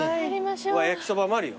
焼きそばもあるよ。